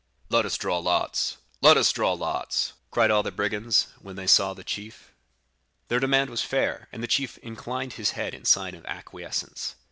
"'Let us draw lots! let us draw lots!' cried all the brigands, when they saw the chief. "Their demand was fair, and the chief inclined his head in sign of acquiescence.